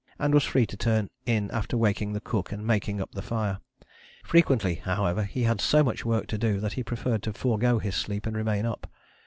and was free to turn in after waking the cook and making up the fire. Frequently, however, he had so much work to do that he preferred to forgo his sleep and remain up.